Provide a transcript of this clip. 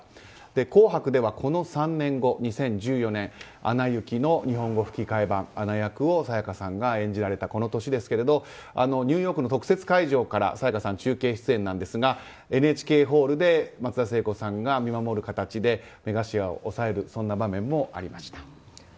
「紅白」ではこの３年後、２０１４年「アナ雪」の日本語吹き替え版アナ役を沙也加さんが演じられたこの年ですけれどニューヨークの特設会場から沙也加さん、中継出演なんですがＮＨＫホールで松田聖子さんが見守る形で、目頭を押さえるそんな場面もありました。